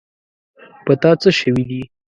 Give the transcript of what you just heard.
په تا څه شوي دي.